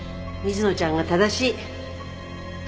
水野ちゃんが正しい。